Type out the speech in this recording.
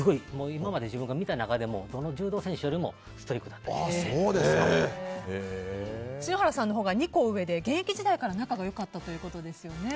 今まで自分が見たどんな柔道選手よりも篠原さんのほうが２個上で現役時代から仲が良かったということですね。